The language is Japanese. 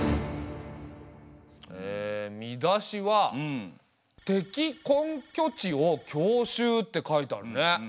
見出しは「敵根拠地を強襲」って書いてあるね。